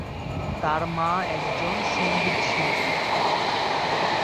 তার মা একজন সংগীতশিল্পী।